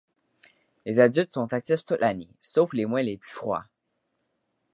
Les adultes sont actifs toute l'année, sauf les mois les plus froids.